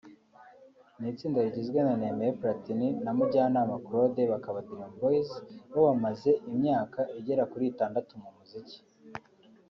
ni itsinda rigizwe na Nemeye Platini na Mujyanama Claude bakaba Dream Bobamaze imyaka igera kuri itandatu mu muziki